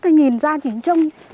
thì nhìn ra chỉ trông